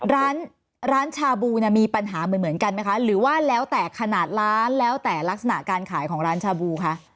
ร้านร้านชาบูเนี่ยมีปัญหาเหมือนกันไหมคะหรือว่าแล้วแต่ขนาดร้านแล้วแต่ลักษณะการขายของร้านชาบูคะ